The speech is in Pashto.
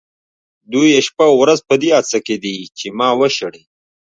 دوی شپه او ورځ په دې هڅه کې دي چې ما وشړي.